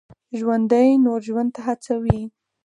ژوندي نور ژوند ته هڅوي